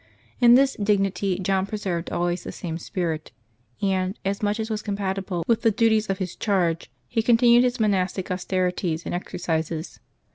In this dignity John preserved always the same spirit, and, as much as was compatible with the duties of his charge, continued his monastic austerities and exercises.